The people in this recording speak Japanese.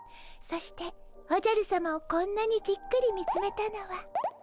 そしておじゃるさまをこんなにじっくり見つめたのは。